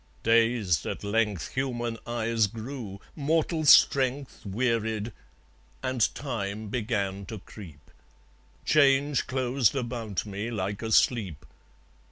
Dazed at length Human eyes grew, mortal strength Wearied; and Time began to creep. Change closed about me like a sleep.